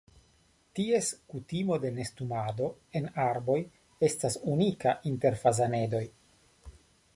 Ties kutimo de nestumado en arboj estas unika inter fazanedoj.